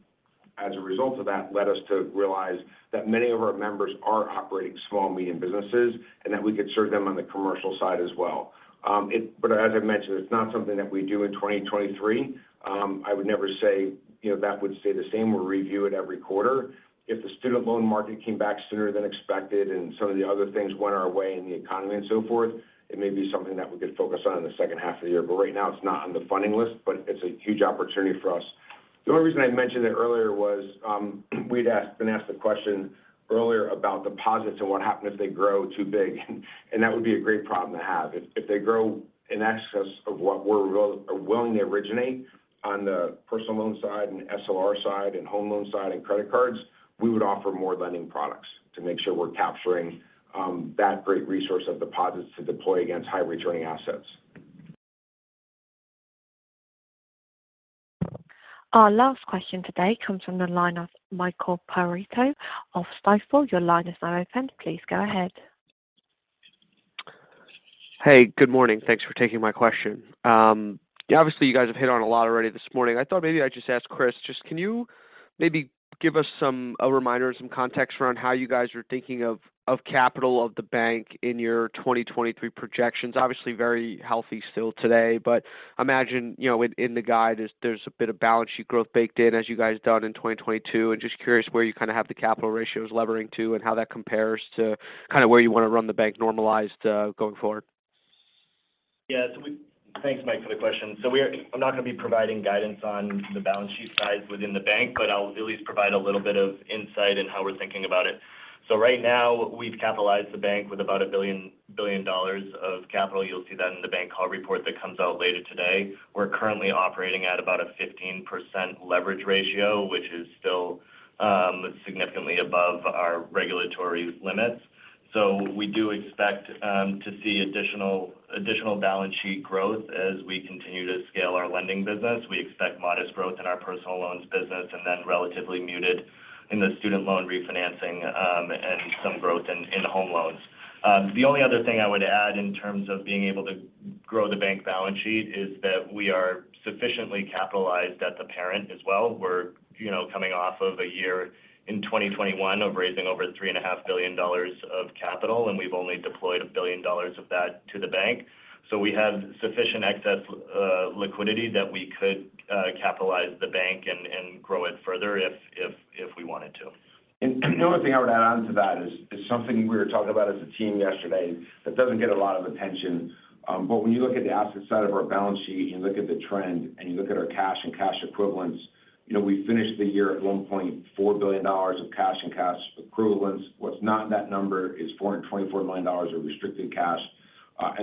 as a result of that led us to realize that many of our members are operating small medium businesses. That we could serve them on the commercial side as well. As I mentioned, it's not something that we do in 2023. I would never say, you know, that would stay the same. We'll review it every quarter. If the student loan market came back sooner than expected and some of the other things went our way in the economy and so forth, it may be something that we could focus on in the second half of the year. Right now it's not on the funding list, but it's a huge opportunity for us. The only reason I mentioned it earlier was, been asked the question earlier about deposits and what happened if they grow too big, and that would be a great problem to have. If they grow in excess of what we're willing to originate on the personal loan side and SLR side and home loan side and credit cards, we would offer more lending products to make sure we're capturing that great resource of deposits to deploy against high-returning assets. Our last question today comes from the line of Michael Perito of Stifel. Your line is now open. Please go ahead. Hey, good morning. Thanks for taking my question. Obviously you guys have hit on a lot already this morning. I thought maybe I'd just ask Chris, just can you maybe give us a reminder and some context around how you guys are thinking of capital of the bank in your 2023 projections. Obviously very healthy still today, but imagine, you know, in the guide there's a bit of balance sheet growth baked in as you guys done in 2022. Just curious where you kinda have the capital ratios levering to and how that compares to kinda where you wanna run the bank normalized going forward. Thanks, Mike, for the question. I'm not gonna be providing guidance on the balance sheet size within the bank, but I'll at least provide a little bit of insight in how we're thinking about it. Right now we've capitalized the bank with about $1 billion of capital. You'll see that in the bank call report that comes out later today. We're currently operating at about a 15% leverage ratio, which is still significantly above our regulatory limits. We do expect to see additional balance sheet growth as we continue to scale our lending business. We expect modest growth in our personal loans business and then relatively muted in the student loan refinancing, and some growth in home loans. The only other thing I would add in terms of being able to grow the bank balance sheet is that we are sufficiently capitalized at the parent as well. We're, you know, coming off of a year in 2021 of raising over $3.5 billion of capital, and we've only deployed $1 billion of that to the bank. We have sufficient excess liquidity that we could capitalize the bank and grow it further if we wanted to. The only thing I would add onto that is something we were talking about as a team yesterday that doesn't get a lot of attention. When you look at the asset side of our balance sheet and you look at the trend, and you look at our cash and cash equivalents, you know, we finished the year at $1.4 billion of cash and cash equivalents. What's not in that number is $424 million of restricted cash.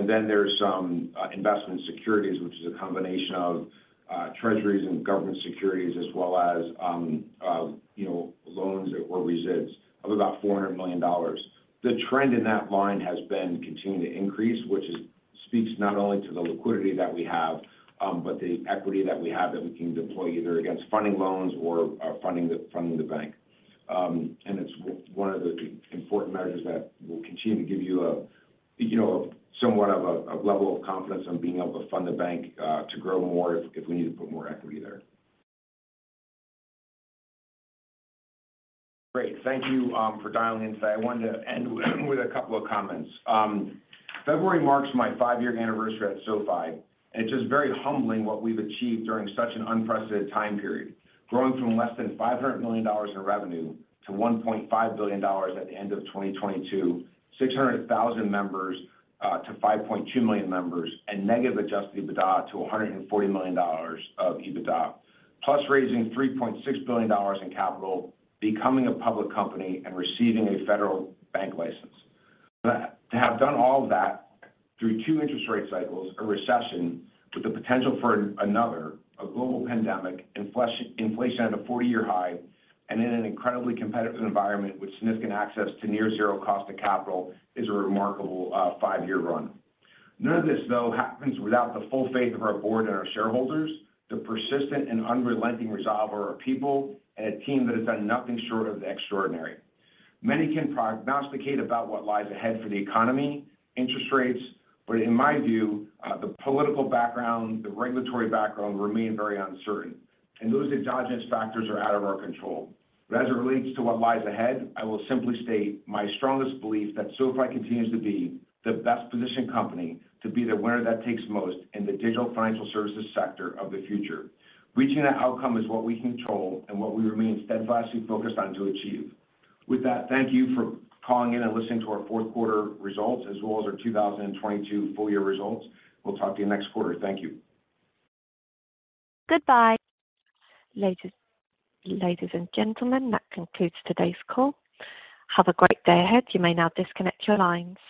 Then there's some investment securities, which is a combination of treasuries and government securities as well as, you know, loans or resids of about $400 million. The trend in that line has been continuing to increase, which speaks not only to the liquidity that we have, but the equity that we have that we can deploy either against funding loans or funding the bank. And it's one of the important measures that we'll continue to give you a, you know, somewhat of a level of confidence on being able to fund the bank to grow more if we need to put more equity there. Great. Thank you for dialing in today. I wanted to end with a couple of comments. February marks my five-year anniversary at SoFi, and it's just very humbling what we've achieved during such an unprecedented time period. Growing from less than $500 million in revenue to $1.5 billion at the end of 2022, 600,000 members, to 5.2 million members, and negative adjusted EBITDA to $140 million of EBITDA. Plus raising $3.6 billion in capital, becoming a public company, and receiving a federal bank license. To have done all of that through two interest rate cycles, a recession with the potential for another, a global pandemic, inflation at a 40-year high, and in an incredibly competitive environment with significant access to near zero cost of capital is a remarkable, 5-year run. None of this, though, happens without the full faith of our board and our shareholders, the persistent and unrelenting resolve of our people, and a team that has done nothing short of the extraordinary. Many can prognosticate about what lies ahead for the economy, interest rates, but in my view, the political background, the regulatory background remain very uncertain, and those exogenous factors are out of our control. As it relates to what lies ahead, I will simply state my strongest belief that SoFi continues to be the best-positioned company to be the winner that takes the most in the digital financial services sector of the future. Reaching that outcome is what we control and what we remain steadfastly focused on to achieve. With that, thank you for calling in and listening to our fourth quarter results as well as our 2022 full year results. We'll talk to you next quarter. Thank you. Goodbye. Ladies and gentlemen, that concludes today's call. Have a great day ahead. You may now disconnect your lines.